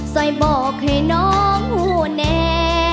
ส่อยบอกให้น้องหัวแน่